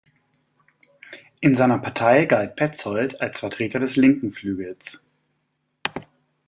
In seiner Partei galt Petzold als Vertreter des linken Flügels.